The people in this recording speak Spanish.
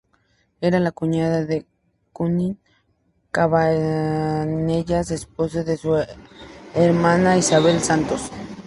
Era la cuñada de Cunill Cabanellas, esposo de su hermana Isabel Santos.